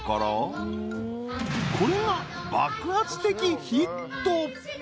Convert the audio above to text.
［これが爆発的ヒット］